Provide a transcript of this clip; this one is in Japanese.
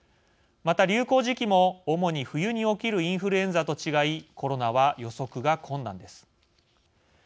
また流行時期も主に冬に起きるインフルエンザと違いコロナは予測が困難です。